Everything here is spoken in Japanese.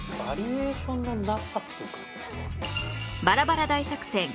バラバラ大作戦